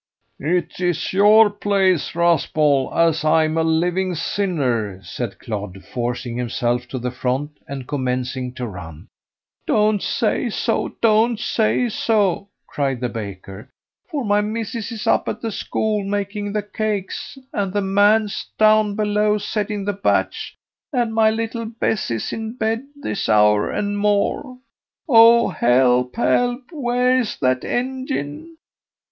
"It's your place, Raspall, as I'm a living sinner," said Clodd, forcing himself to the front and commencing to run. "Don't say so! Don't say so!" cried the baker, "for my missis is up at the school makin' the cakes, and the man's down below settin' the batch, and my little Bess is in bed this hour an' more. Oh, help! help! where's that engine?"